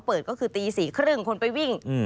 เปิดก็คือตี๔๓๐คนไปวิ่ง